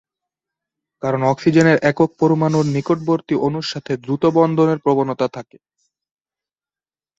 কারণ অক্সিজেনের একক পরমাণুর নিকটবর্তী অণুর সাথে দ্রুত বন্ধনের প্রবণতা থাকে।